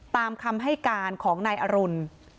ตามคำให้การของนายอรุณ